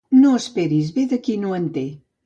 No esperis bé de qui no en té.